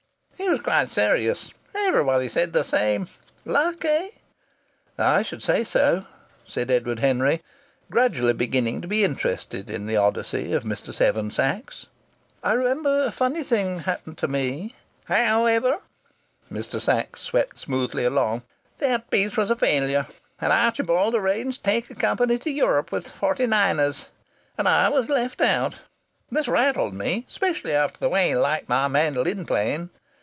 He was quite serious. Everybody said the same! Luck, eh?" "I should say so," said Edward Henry, gradually beginning to be interested in the odyssey of Mr. Seven Sachs. "I remember a funny thing that happened to me " "However," Mr. Sachs swept smoothly along, "that piece was a failure. And Archibald arranged to take a company to Europe with 'Forty Niners.' And I was left out! This rattled me, specially after the way he liked my mandolin playing.